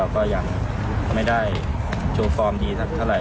ก็ยังไม่ได้โชว์ฟอร์มดีสักเท่าไห